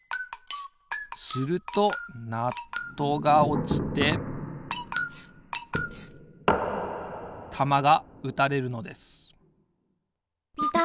するとナットがおちてたまが打たれるのです